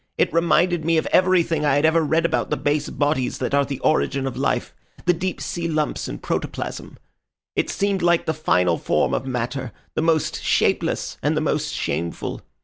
It reminded me of everything I had ever read about the base bodies that are the origin of life—the deep sea lumps and protoplasm. It seemed like the final form of matter, the most shapeless and the most shameful.